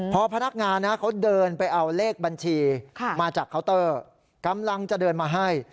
พอพนักงานเขาเดินไปเอาเลขบัญชีมาจากเคาน์เตอร์กำลังจะเดินมาให้